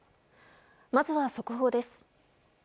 まずは速報です。